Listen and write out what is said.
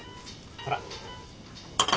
ほら。